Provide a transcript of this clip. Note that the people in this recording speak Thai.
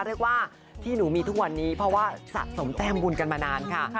เรียกว่าที่หนูมีทุกวันนี้เพราะว่าสะสมแต้มบุญกันมานานค่ะ